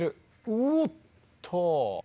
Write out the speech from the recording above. うおっと！